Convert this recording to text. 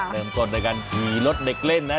เริ่มต้นด้วยการขี่รถเด็กเล่นนะ